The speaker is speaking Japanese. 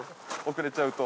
遅れちゃうと。